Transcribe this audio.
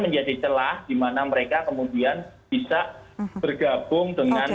nah ini yang biasanya